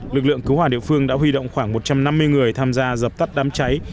lực lượng cứu hỏa địa phương đã huy động khoảng một trăm năm mươi người tham gia dập tắt đám cháy